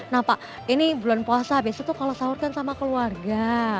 nah pak ini bulan puasa biasanya tuh kalau sahur kan sama keluarga